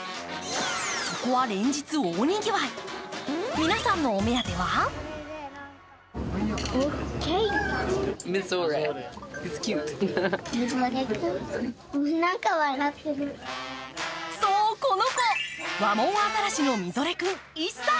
そこは連日大にぎわい、皆さんのお目当てはそう、この子、ワモンアザラシのミゾレ君１歳。